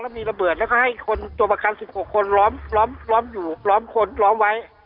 มีระเบิดแล้วก็ให้คนตัวประกัน๑๖คนล้อมอยู่ล้อมคนล้อมไว้